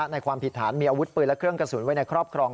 ความผิดฐานมีอาวุธปืนและเครื่องกระสุนไว้ในครอบครอง